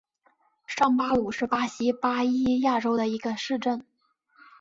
上巴鲁是巴西巴伊亚州的一个市镇。